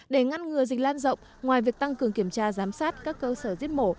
để ngăn ngừa dịch lan rộng ngoài việc tăng cường kiểm tra giám sát các cơ sở giết mổ